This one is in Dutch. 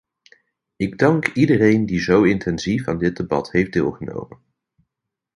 Ik dank iedereen die zo intensief aan dit debat heeft deelgenomen.